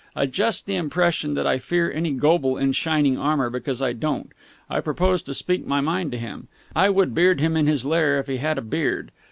Adjust the impression that I fear any Goble in shining armour, because I don't. I propose to speak my mind to him. I would beard him in his lair, if he had a beard.